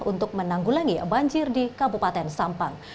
untuk menanggulangi banjir di kabupaten sampang